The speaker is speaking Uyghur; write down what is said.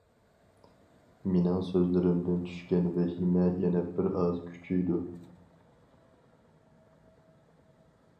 مېنىڭ سۆزلىرىمدىن چۈشكەن ۋەھىمە يەنە بىر ئاز كۈچىيىدۇ.